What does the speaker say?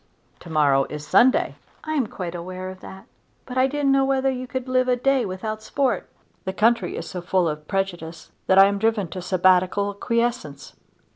"To morrow is Sunday." "I am quite aware of that, but I didn't know whether you could live a day without sport." "The country is so full of prejudice that I am driven to Sabbatical quiescence."